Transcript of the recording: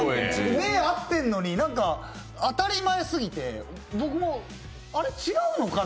目合ってるのに当たり前すぎて僕も、あれ違うのかな？